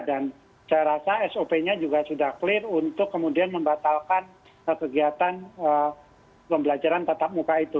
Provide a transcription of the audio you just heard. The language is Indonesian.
dan saya rasa sop nya juga sudah clear untuk kemudian membatalkan kegiatan pembelajaran tatap muka itu